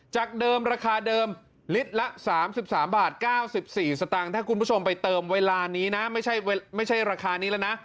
จากเดิมราคาเดิมลิตรละ๓๓บาท๙๔สตางค์ถ้าคุณผู้ชมไปเติมเวลานี้นะไม่ใช่ราคานี้แล้วนะ